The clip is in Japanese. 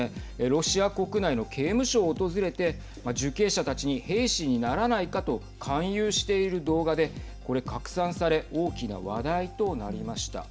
ロシア国内の刑務所を訪れて受刑者たちに兵士にならないかと勧誘している動画でこれ、拡散され大きな話題となりました。